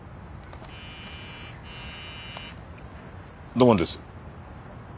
土門です。